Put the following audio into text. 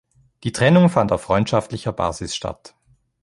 Die Trennung fand auf freundschaftlicher Basis statt.